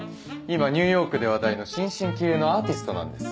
今ニューヨークで話題の新進気鋭のアーティストなんです。